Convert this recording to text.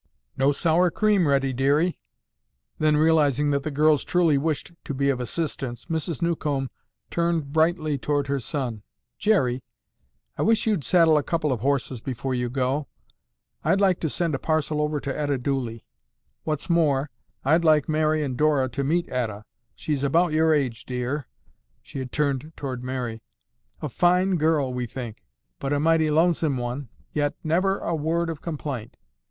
"No sour cream ready, dearie." Then, realizing that the girls truly wished to be of assistance, Mrs. Newcomb turned brightly toward her son. "Jerry, I wish you'd saddle a couple of horses before you go. I'd like to send a parcel over to Etta Dooley. What's more, I'd like Mary and Dora to meet Etta. She's about your age, dear." She had turned toward Mary. "A fine girl, we think, but a mighty lonesome one, yet never a word of complaint.